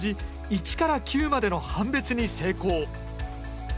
１から９までの判別に成功。